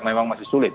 memang masih sulit